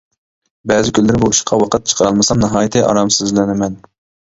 بەزى كۈنلىرى بۇ ئىشقا ۋاقىت چىقىرالمىسام ناھايىتى ئارامسىزلىنىمەن.